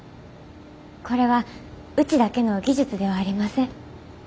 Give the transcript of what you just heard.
これはうちだけの技術ではありません。